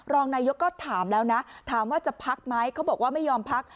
รองนายกก็ถามแล้วนะถามว่าจะพักไหมเขาบอกว่าไม่ยอมพัก